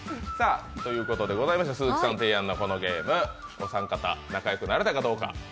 鈴木さんご提案のこのゲーム、お三方仲良くなれたかどうか。